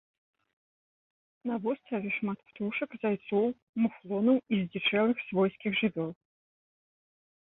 На востраве шмат птушак, зайцоў, муфлонаў і здзічэлых свойскіх жывёл.